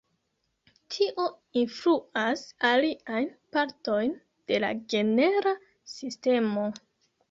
Tio influas aliajn partojn de la genera sistemo.